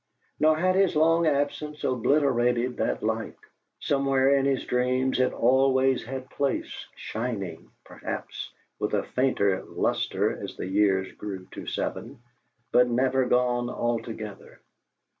Nor had his long absence obliterated that light; somewhere in his dreams it always had place, shining, perhaps, with a fainter lustre as the years grew to seven, but never gone altogether.